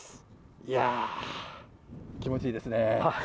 いやー、気持ちいいですね。